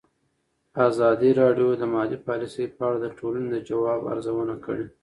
ازادي راډیو د مالي پالیسي په اړه د ټولنې د ځواب ارزونه کړې.